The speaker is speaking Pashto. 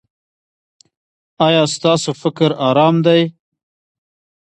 ایا ستاسو فکر ارام دی؟